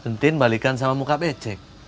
penting balikan sama muka becek